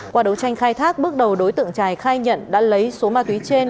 qua đấu tranh khai thác bước đầu đối tượng trài khai nhận đã lấy số ma túy trên